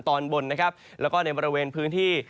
ตอนบนนะครับแล้วก็ในบริเวณพื้นที่